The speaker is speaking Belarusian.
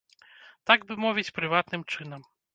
Так бы мовіць, прыватным чынам.